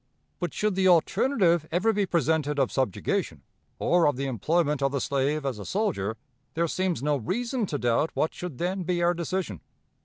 But should the alternative ever be presented of subjugation, or of the employment of the slave as a soldier, there seems no reason to doubt what should then be our decision.